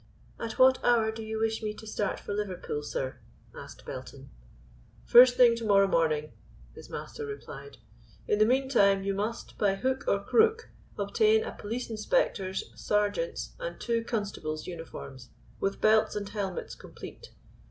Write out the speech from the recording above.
"At what hour do you wish me to start for Liverpool, sir?" asked Belton. "First thing to morrow morning," his master replied. "In the meantime you must, by hook or crook, obtain a police inspector's, a sergeant's and two constables' uniforms with belts and helmets complete.